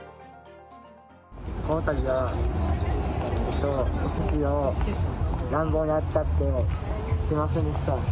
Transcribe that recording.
このたびはおすしを乱暴に扱ってすみませんでした。